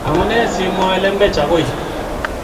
Amune simwoe lembechek agoi